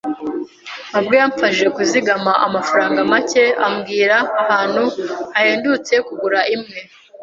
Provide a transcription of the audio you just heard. mabwa yamfashije kuzigama amafaranga make ambwira ahantu hahendutse kugura imwe.